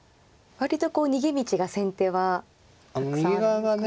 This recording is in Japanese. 割とこう逃げ道が先手はたくさんあるんですかね。